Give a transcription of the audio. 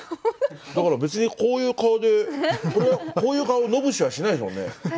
だから別にこういう顔でこういう顔野武士はしないですもんね。